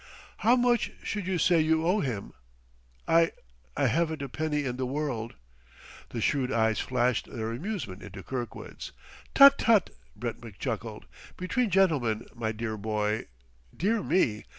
"How much should you say you owe him?" "I I haven't a penny in the world!" The shrewd eyes flashed their amusement into Kirkwood's. "Tut, tut!" Brentwick chuckled. "Between gentlemen, my dear boy! Dear me!